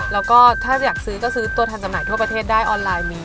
แล้วก็ถ้าอยากซื้อก็ซื้อตัวแทนจำหน่ายทั่วประเทศได้ออนไลน์มี